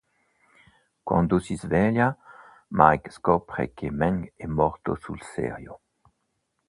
Quando si sveglia, Mike scopre che Meng è morto sul serio.